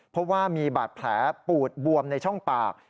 เพราะว่ามีบาดแผลปูดบวมในช่องปาก